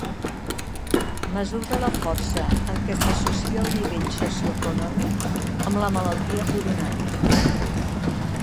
Mesura la força amb què s'associa el nivell socioeconòmic amb la malaltia coronària.